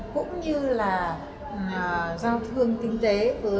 cũng như là giao thương tinh tế